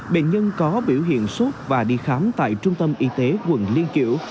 bệnh nhân có biểu hiện sốt và đi khám tại trung tâm y tế quận liên kiểu